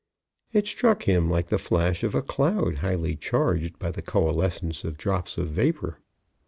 It struck him like the flash of a cloud highly charged by the coalescence of drops of vapor.